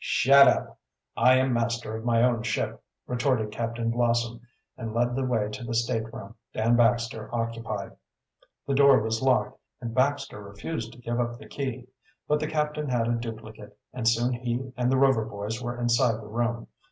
"Shut up! I am master on my own ship," retorted Captain Blossom, and led the way to the stateroom Dan Baxter occupied. The door was locked and Baxter refused to give up the key. But the captain had a duplicate, and soon he and the Rover boys were inside the room.